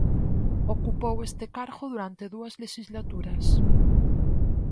Ocupou este cargo durante dúas lexislaturas.